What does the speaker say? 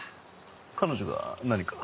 彼女が何か？